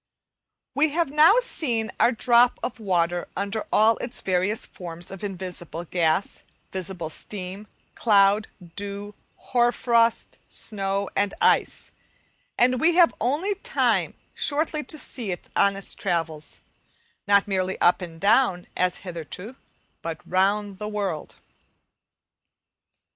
We have now seen our drop of water under all its various forms of invisible gas, visible steam, cloud, dew, hoar frost, snow, and ice, and we have only time shortly to see it on its travels, not merely up and down, as hitherto, but round the world.